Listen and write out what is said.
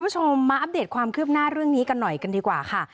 คุณผู้ชมมาอัปเดตความคืบหน้าเรื่องนี้กันหน่อยกันดีกว่าค่ะ